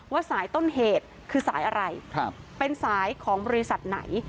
ว่าสายต้นเหตุคือสายอะไรเป็นสายของบริษัทไหน